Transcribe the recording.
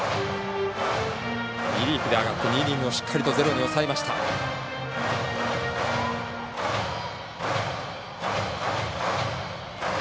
リリーフで上がって２イニングしっかりとゼロで抑えました。